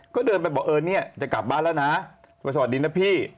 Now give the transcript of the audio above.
ก็เดินไปบอกเออเนี่ยจะกลับบ้านแล้วนะไปสวัสดีนะพี่